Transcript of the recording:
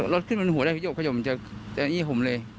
รถขึ้นหัวได้ส่งมันจนยิบผมเลย